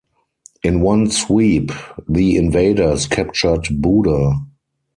In one sweep, the invaders captured Buda.